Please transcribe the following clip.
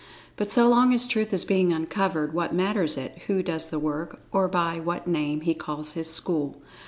But, so long as Truth is being uncovered, what matters it who does the work, or by what name he calls his school.